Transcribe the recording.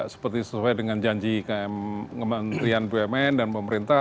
seperti sesuai dengan janji km kementerian bumn dan pemerintah